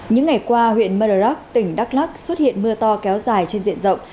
những ngày qua huyện mơ rắc tỉnh đắk lắc xuất hiện mưa to kéo dài trên diện rộng